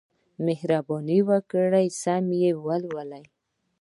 مهرباني وکړئ سم یې ولولئ.